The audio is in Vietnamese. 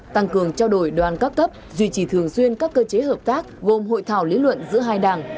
tăng cường trao đổi đoàn các cấp duy trì thường xuyên các cơ chế hợp tác gồm hội thảo lý luận giữa hai đảng